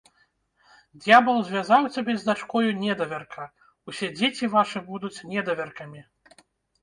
Д'ябал звязаў цябе з дачкою недавярка, усе дзеці вашы будуць недавяркамі!